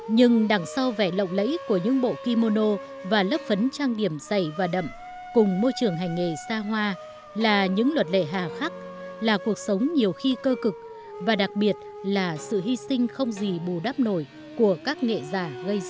nhưng đằng sau vẻ lộng lẫy của những bộ kimono và lớp phấn trang điểm dày và đậm cùng môi trường hành nghề xa hoa là những luật lệ hạ khắc là cuộc sống nhiều khi cơ cực và đặc biệt là sự hy sinh không gì bù đắp nổi của các nghệ giả gây ra